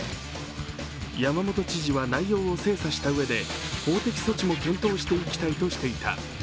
山本知事は内容を精査したうえで法的措置も検討していきたいとしていた。